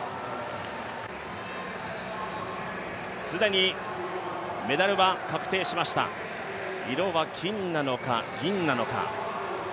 既にメダルは確定しました、色は金なのか、銀なのか。